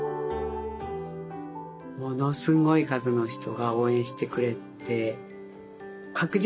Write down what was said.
ものすごい数の人が応援してくれて。